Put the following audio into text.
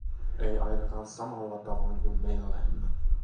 Ei ainakaan samalla tavoin kuin meillä.